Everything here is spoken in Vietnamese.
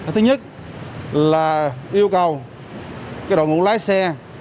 thứ nhất là yêu cầu đội ngũ lái xe